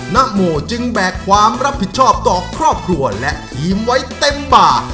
นโมจึงแบกความรับผิดชอบต่อครอบครัวและทีมไว้เต็มบ่า